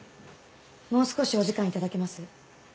もう少しお時間頂けます？